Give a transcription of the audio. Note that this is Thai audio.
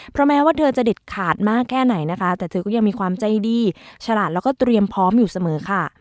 เพราะแม้ว่าเธอจะเด็ดขาดมากแค่ไหนนะคะแต่เธอก็ยังมีความใจดีฉลาดแล้วก็เตรียมพร้อมอยู่เสมอค่ะ